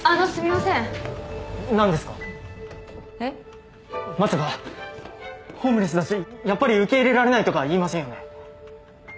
まさかホームレスだしやっぱり受け入れられないとか言いませんよね？